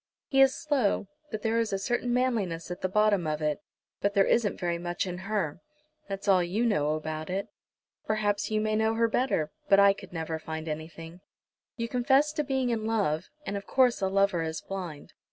He is slow, but there is a certain manliness at the bottom of it. But there isn't very much in her!" "That's all you know about it." "Perhaps you may know her better, but I never could find anything. You confess to being in love, and of course a lover is blind.